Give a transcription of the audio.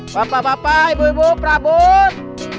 bapak bapak ibu ibu prabun